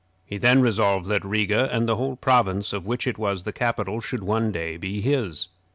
He then resolved that Riga, and the whole province of which it was the capital, should one day be his.